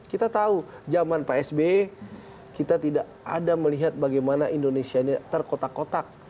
kita tahu zaman pak sb kita tidak ada melihat bagaimana indonesia ini terkotak kotak